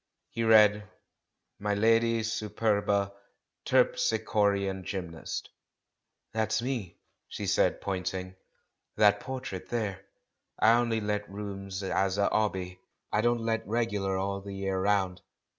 He read, "Mdlle. Superba: Terpslchorean Gymnast." "That's me," she said, pointing, "that portrait there. I only let rooms as a 'obby — I don't let regular all the year round.